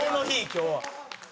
今日は。